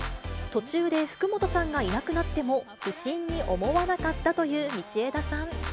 途中で福本さんがいなくなっても、不審に思わなかったという道枝さん。